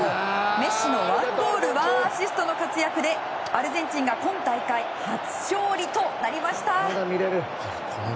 メッシの１ゴール１アシストの活躍でアルゼンチンが今大会初勝利となりました。